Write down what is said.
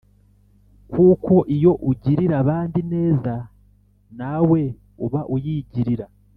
kuko iyo ugirira abandi ineza, nawe uba uyigirira.